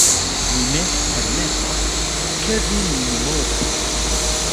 mi ne permesos, ke vi min moku!